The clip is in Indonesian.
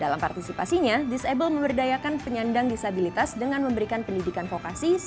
dalam partisipasinya disable memberdayakan penyandang disabilitas dengan memberikan pendidikan fokasi sesuai keuntungan